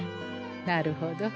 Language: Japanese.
なるほど。